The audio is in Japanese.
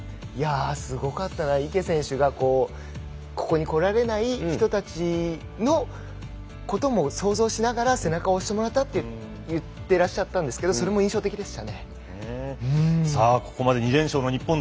すごかったな池選手がここに来られない人たちのことも想像しながら背中を押してもらったといっていらっしゃったんですがそれも印象的でした。